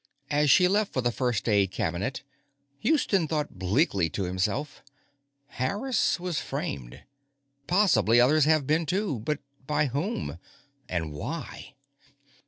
As she left for the first aid cabinet, Houston thought bleakly to himself: _Harris was framed. Possibly others have been, too. But by whom? And why?